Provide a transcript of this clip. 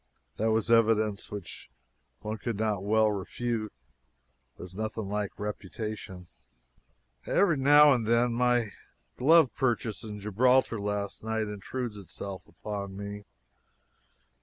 That was evidence which one could not well refute. There is nothing like reputation. Every now and then my glove purchase in Gibraltar last night intrudes itself upon me.